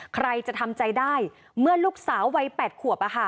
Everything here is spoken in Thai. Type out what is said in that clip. ใครจะทำใจได้เมื่อลูกสาววัยแปดขวบอ่ะค่ะ